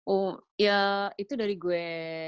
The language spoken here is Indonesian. oh ya itu dari gue